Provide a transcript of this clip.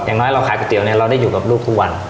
อย่างน้อยเราขายก๋วเตี๋เนี่ยเราได้อยู่กับลูกทุกวัน